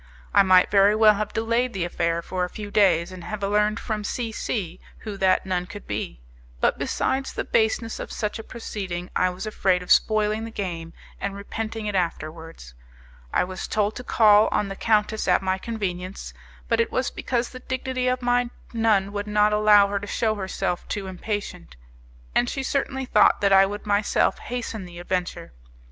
I might very well have delayed the affair for a few days, and have learned from C C who that nun could be; but, besides the baseness of such a proceeding, I was afraid of spoiling the game and repenting it afterwards. I was told to call on the countess at my convenience, but it was because the dignity of my nun would not allow her to shew herself too impatient; and she certainly thought that I would myself hasten the adventure.